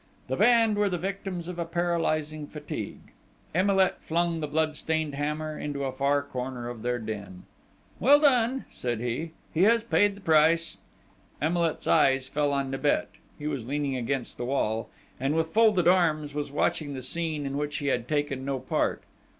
The band were the victims of a paralysing fatigue. Emilet flung the blood stained hammer into a far corner of their den. "Well done!" said he. "He has paid the price!" Emilet's eyes fell on Nibet. He was leaning against the wall, and, with folded arms, was watching the scene in which he had taken no part.